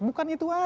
bukan itu aja